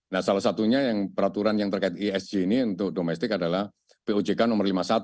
nah salah satunya yang peraturan yang terkait esg ini untuk domestik adalah pojk no lima puluh satu